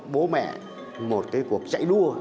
bố mẹ một cái cuộc chạy đua